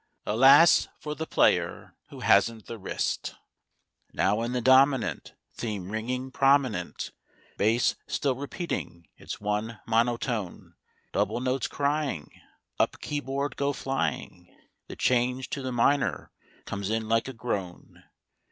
(Alas! for the player who hasn't the wrist!) Now in the dominant Theme ringing prominent, Bass still repeating its one monotone, Double notes crying, Up keyboard go flying, The change to the minor comes in like a groan.